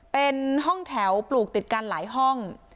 เป็นห้องแถวปลูกติดกันหลายห้อง